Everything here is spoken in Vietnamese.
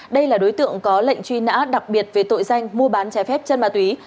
đây là đối tượng có lệnh truy nã đặc biệt về tội danh mua bán trái phép chân ma túy